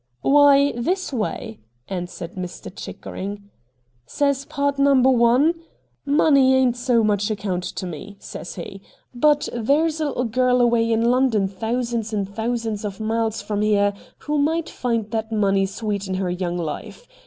' Why this way,' answered Mr. Chickering. ' Says pard number one, " Money ain't so much account to me^" savs he, " but there's a A STRANGE STORY 63 little girl away in London thousands and thousands of miles from here who might find that money sweeten her young life.